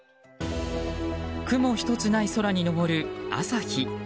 雲一つない空に昇る朝日。